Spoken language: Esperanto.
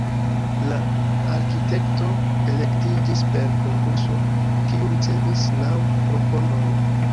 La arkitekto elektiĝis per konkurso, kiu ricevis naŭ proponojn.